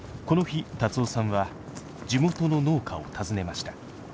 この日辰雄さんは地元の農家を訪ねました。